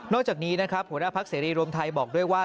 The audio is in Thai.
จากนี้นะครับหัวหน้าพักเสรีรวมไทยบอกด้วยว่า